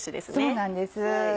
そうなんです。